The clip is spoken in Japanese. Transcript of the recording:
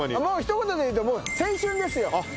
もうひと言で言うともう青春ですよ